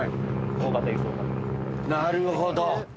なるほど。